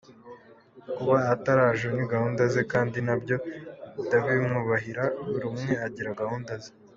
"Kuba ataraje ni gahunda ze kandi nabyo ndabimwubahira, buri umwe agira gahunda ze.